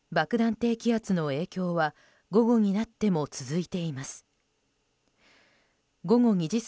低気圧の影響は午後になっても続いています。